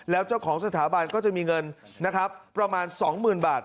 แล้วเจ้าของสถาบันก็จะมีเงินนะครับประมาณ๒๐๐๐บาท